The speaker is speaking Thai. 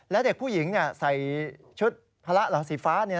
และเด็กผู้หญิงใส่ชุดพระเหรอสีฟ้า